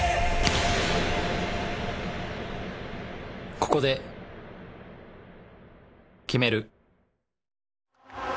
ここで決める。